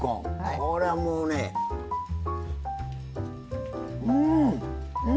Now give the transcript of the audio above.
これは、もうねうん！